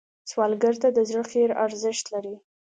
سوالګر ته د زړه خیر ارزښت لري